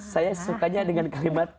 saya sukanya dengan kalimat